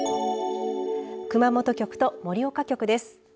熊本局と盛岡局です。